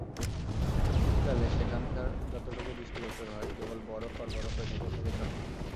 শীতকালে সেখানকার যতটুকু দৃষ্টিগোচর হয়, কেবল বরফ আর বরফে ঢেকে থাকে সবকিছু।